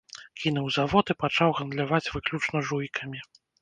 Кінуў завод і пачаў гандляваць выключна жуйкамі.